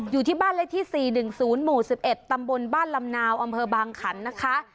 อยู่ที่บ้านเลขที่๔๑๐หมู่๑๑ตำบลบ้านลำนาวอำเภอบางขันนะคะ